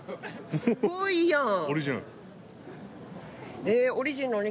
すごいやん！